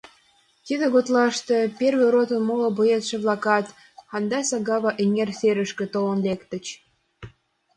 Тиде гутлаште первый ротын моло боецше-влакат Хандаса-Гава эҥер серышке толын лектыч.